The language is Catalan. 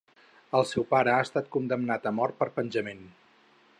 El seu pare ha estat condemnat a mort per penjament.